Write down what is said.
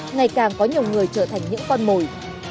ngày càng có nhiều người trở thành những con mồi